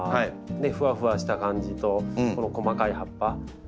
ふわふわした感じとこの細かい葉っぱきれいなので。